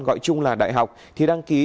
gọi chung là đại học thì đăng ký